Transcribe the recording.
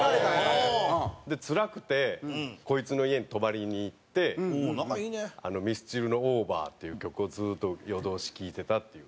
つらくてこいつの家に泊まりに行ってミスチルの『Ｏｖｅｒ』っていう曲をずっと夜通し聴いてたっていう。